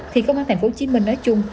thì công an tp hcm nói chung